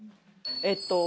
えっと